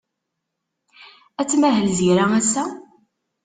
Ad tmahel Zira ass-a?